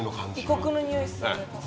異国のにおいする。